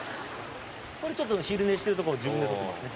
「これちょっと昼寝してるところを自分で撮ってますね」